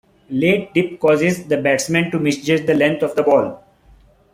Late dip causes the batsman to misjudge the length of the ball.